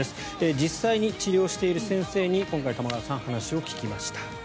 実際に治療している先生に今回、玉川さんが話を聞きました。